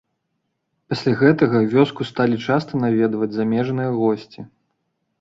Пасля гэтага вёску сталі часта наведваць замежныя госці.